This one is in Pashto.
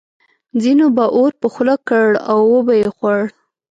ځینو به اور په خوله کړ او وبه یې خوړ.